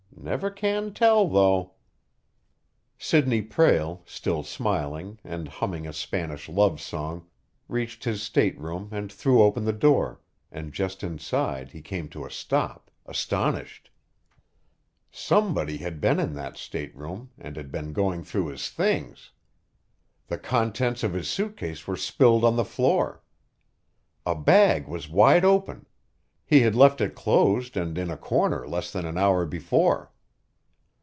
Never can tell, though!" Sidney Prale, still smiling, and humming a Spanish love song, reached his stateroom and threw open the door; and just inside, he came to a stop, astonished. Somebody had been in that stateroom and had been going through his things. The contents of his suit case were spilled on the floor. A bag was wide open; he had left it closed and in a corner less than an hour before.